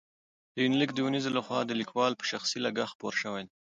دا یونلیک د اونیزې له خوا د لیکوال په شخصي لګښت خپور شوی دی.